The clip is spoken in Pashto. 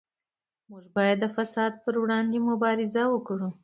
موږ باید د فساد پر وړاندې مبارزه وکړو.